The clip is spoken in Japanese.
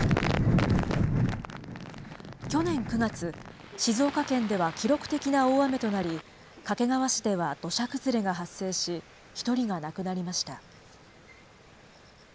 去年９月、静岡県では記録的な大雨となり、掛川市では土砂崩れが発生し、１人が亡くなりました。